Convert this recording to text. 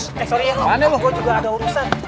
eh sorry ya lu gua juga ada urusan